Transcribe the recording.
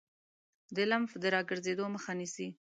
د لمف د راګرځیدو مخه نیسي.